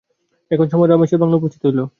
এমন সময় রমেশের বাংলা হইতে উমেশ আসিয়া উপস্থিত হইল।